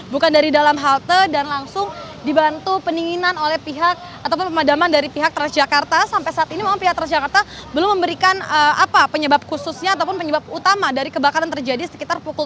bukan dari dalam halte dan langsung dibantu pendinginan oleh pihak ataupun pemadaman dari pihak transjakarta sampai saat ini memang pihak transjakarta belum memberikan apa penyebab khususnya ataupun penyebab utama dari kebakaran terjadi sekitar pukul